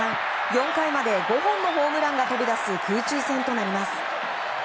４回まで５本のホームランが飛び出す空中戦となります。